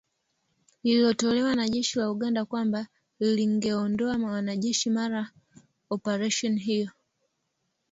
lililotolewa na jeshi la Uganda kwamba lingeondoa wanajeshi mara oparesheni hiyo